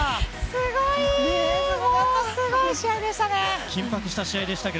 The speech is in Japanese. すごい試合でしたね。